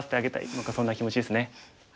何かそんな気持ちですね。